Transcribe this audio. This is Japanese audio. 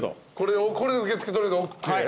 これで受付取りあえずＯＫ。